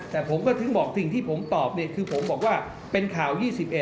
แต่ผมก็ถึงบอกสิ่งที่ผมตอบเนี่ยคือผมบอกว่าเป็นข่าว๒๑